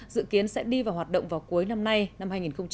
dự kiến sẽ đi vào hoạt động vào cuối năm nay năm hai nghìn một mươi tám